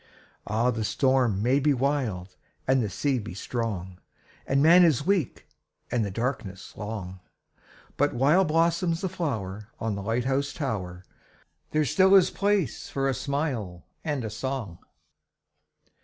Ah, the storm may be wild and the sea be strong, And man is weak and the darkness long, But while blossoms the flower on the light house tower There still is place for a smile and a song.